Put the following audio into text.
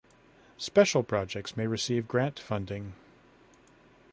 Special projects may receive grant funding.